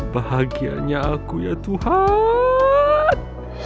bahagianya aku ya tuhan